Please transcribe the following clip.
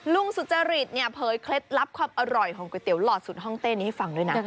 สุจริตเนี่ยเผยเคล็ดลับความอร่อยของก๋วยเตี๋ยหลอดสุดห้องเต้นนี้ให้ฟังด้วยนะ